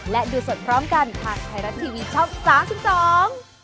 และดูสดพร้อมกันทางไทยรัฐทีวีช่อง๓๒